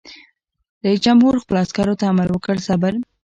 رئیس جمهور خپلو عسکرو ته امر وکړ؛ صبر!